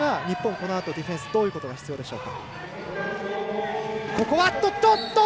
このあとディフェンスどういうことが必要でしょうか。